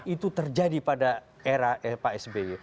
itu terjadi pada era pak s b